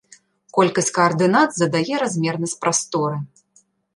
Колькасць каардынат задае размернасць прасторы.